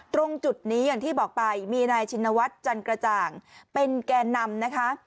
ตรงจุดนี้อย่างที่บอกไปมีนายชินวัฒน์จันกระจ่างเป็นแก่นำนะคะ